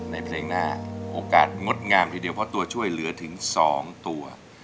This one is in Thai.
ในเพลงหน้าโอกาสงดงามทีเดียวเพราะตัวช่วยเหลือถึง๒ตัว